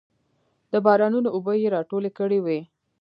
د بارانونو اوبه یې راټولې کړې وې.